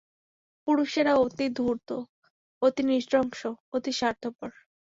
পুরুষেরা অতি ধূর্ত অতি নৃশংস অতি স্বার্থপর।